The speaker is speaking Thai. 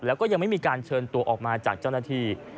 แล้วก็ยังไม่มีการเชิญตัวออกมาจากเจ้าหน้าที่